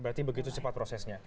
berarti begitu cepat prosesnya